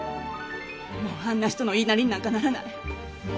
もうあんな人の言いなりになんかならない。